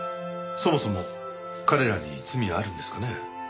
そもそも彼らに罪あるんですかね。